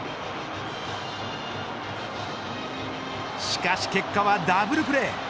しかし結果はダブルプレー。